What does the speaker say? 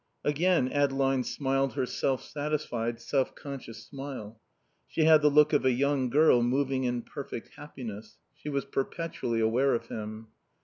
Again Adeline smiled her self satisfied, self conscious smile. She had the look of a young girl, moving in perfect happiness. She was perpetually aware of him.